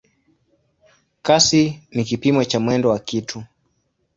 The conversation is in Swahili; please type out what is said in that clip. Kasi ni kipimo cha mwendo wa kitu.